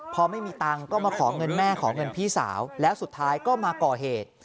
พอไม่มีตังค์ก็มาขอเงินแม่ขอเงินพี่สาวแล้วสุดท้ายก็มาก่อเหตุ